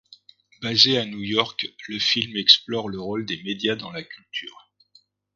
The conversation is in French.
Basé à New York, le film explore le rôle des médias dans la culture.